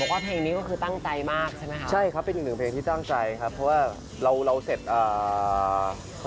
ก็สลับกลับมาเรื่องกินก่อนอย่างไรคะคัชฮา